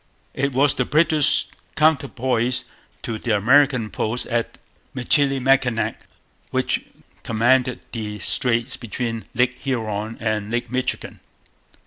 It was the British counterpoise to the American post at Michilimackinac, which commanded the straits between Lake Huron and Lake Michigan.